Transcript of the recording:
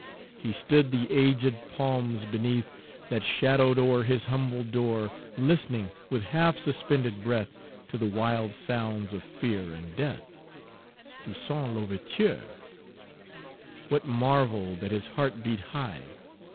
He stood the aged palms beneath, That shadowed o'er his humble door, Listening, with half suspended breath, To the wild sounds of fear and death, Toussaint L'Ouverture! What marvel that his heart beat high!